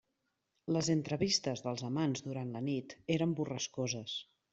Les entrevistes dels amants durant la nit eren borrascoses.